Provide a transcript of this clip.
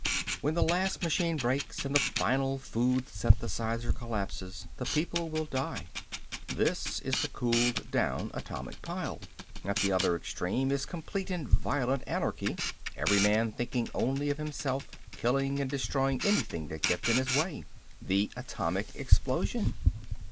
When the last machine breaks and the final food synthesizer collapses the people will die. This is the cooled down atomic pile. At the other extreme is complete and violent anarchy. Every man thinking only of himself, killing and destroying anything that gets in his way the atomic explosion.